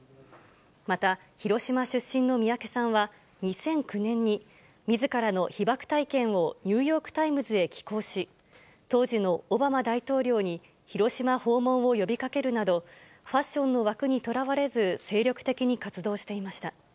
また、広島出身の三宅さんは、２００９年に、みずからの被爆体験をニューヨークタイムズへ寄稿し、当時のオバマ大統領に広島訪問を呼びかけるなど、ファッションの枠にとらわれず、精力的に活動していました。